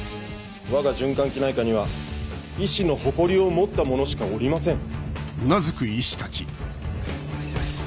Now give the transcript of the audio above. わが循環器内科には医師の誇りを持った者しかおりません。